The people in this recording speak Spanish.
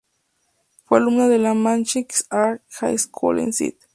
Fue alumno de la Mechanics Arts High School en St.